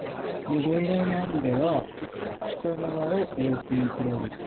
でご依頼の案では北側をウオークインクローゼットにして。